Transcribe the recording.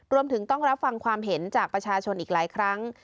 รวมถึงต้องรับฟังความเห็นจากประชาชนอีกหลายครั้ง